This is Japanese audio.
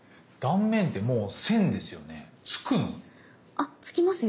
あつきますよ。